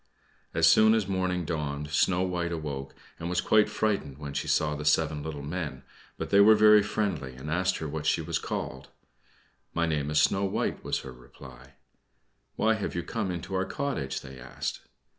As soon as morning dawned Snow White awoke, and was quite frightened when she saw the seven little men; but they were very friendly, and asked her what she was called. "My name is Snow White," was her reply. "Why have you come into our cottage?" they asked.